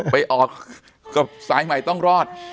ไปออกกับสายใหม่ต้องรอด